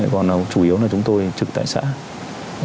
còn chủ yếu là chúng tôi trực tại xã